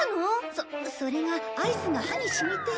そそれがアイスが歯に染みて。